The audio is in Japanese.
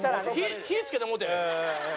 火つけてもうて。